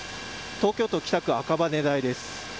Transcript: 東京都北区赤羽台です。